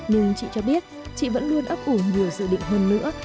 nhưng chị cho biết chị vẫn luôn ấp ủ nhiều dự định hơn nữa